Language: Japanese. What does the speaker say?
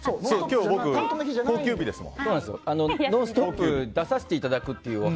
今日、僕、公休日ですもん。